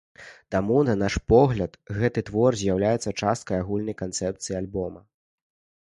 Таму, на наш погляд, гэты твор з'яўляецца часткай агульнай канцэпцыі альбома.